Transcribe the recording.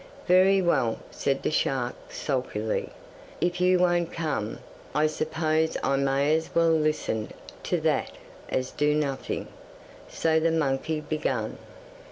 'Very well,' said the shark sulkily, 'if you won't come, I suppose I may as well listen to that as do nothing.' So the monkey began.